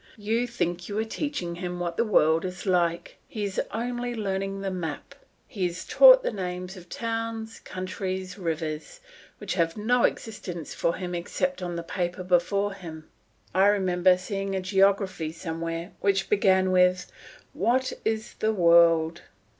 You think you are teaching him what the world is like; he is only learning the map; he is taught the names of towns, countries, rivers, which have no existence for him except on the paper before him. I remember seeing a geography somewhere which began with: "What is the world?"